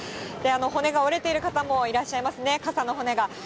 骨が折れている方もいらっしゃいますね、傘の骨が。